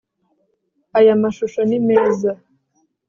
Aya mashusho ni meza